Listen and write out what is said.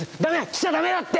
来ちゃ駄目だって。